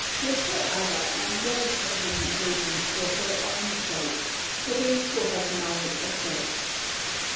Give her other and more pertinent reasons for her own sake, for these will have no effect.